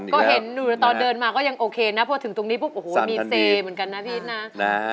ก็เห็นตอนเดินมาก็ยังโอเคนะเพราะถึงตรงนี้มีเซเหมือนกันนะอีทนะ